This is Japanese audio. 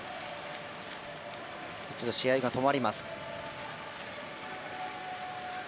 一度試合が止まります。